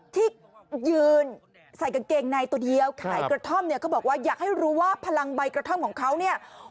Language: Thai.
ที่ยืนใส่กางเกงในตัวเดียวขายกระท่อมเนี่ย